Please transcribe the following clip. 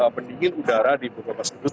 pendingin udara di buka buka sudut